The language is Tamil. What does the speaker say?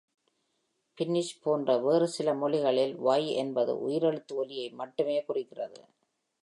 ஃபின்னிஷ் போன்ற வேறு சில மொழிகளில், "y" என்பது உயிரெழுத்து ஒலியை மட்டுமே குறிக்கிறது.